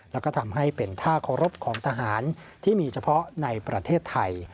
แล้วก็ทำให้เป็นท่าเคารพของทหารที่มีเฉพาะในประเทศไทย